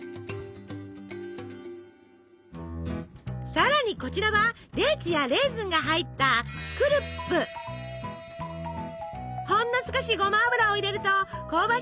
さらにこちらはデーツやレーズンが入ったほんの少しゴマ油を入れると香ばしい香りに。